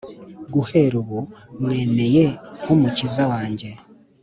Guhera ubu mwemeye nk'Umukiza wanjye,